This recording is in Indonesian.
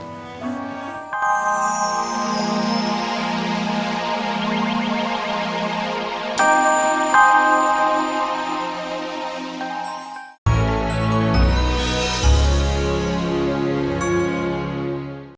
tapi mereka mama tuh ke supermarket